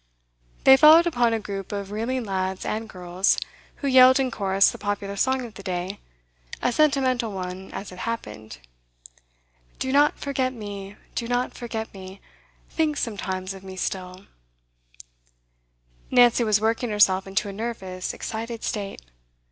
They followed upon a group of reeling lads and girls, who yelled in chorus the popular song of the day, a sentimental one as it happened 'Do not forget me, Do not forget me, Think sometimes of me still' Nancy was working herself into a nervous, excited state.